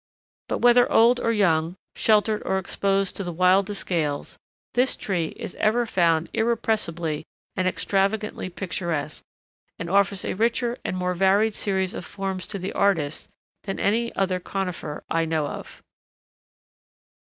But whether old or young, sheltered or exposed to the wildest gales, this tree is ever found irrepressibly and extravagantly picturesque, and offers a richer and more varied series of forms to the artist than any other conifer I know of.